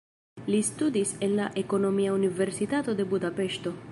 Li studis en la Ekonomia Universitato de Budapeŝto.